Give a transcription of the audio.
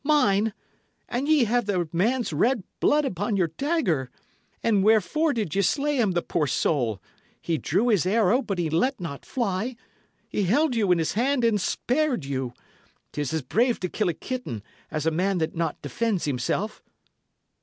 "Mine! And ye have the man's red blood upon your dagger! And wherefore did ye slay him, the poor soul? He drew his arrow, but he let not fly; he held you in his hand, and spared you! 'Tis as brave to kill a kitten, as a man that not defends himself."